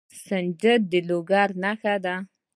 سنجد د لوګر نښه ده.